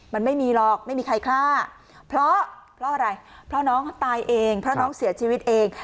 มันไม่มีหรอกไม่มีใครฆ่าเพราะเพราะอะไรเพราะน้องเขาตายเองเพราะน้องเสียชีวิตเอง